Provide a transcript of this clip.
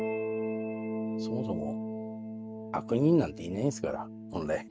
そもそも悪人なんていねえっすから本来。